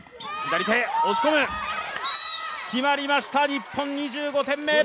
決まりました、日本２５点目。